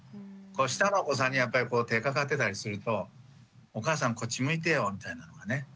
下のお子さんにやっぱり手かかってたりするとお母さんこっち向いてよみたいなのがね。